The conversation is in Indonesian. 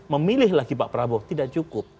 memilih lagi pak prabowo tidak cukup